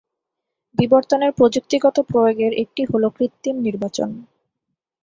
বিবর্তনের প্রযুক্তিগত প্রয়োগের একটি হলো কৃত্রিম নির্বাচন।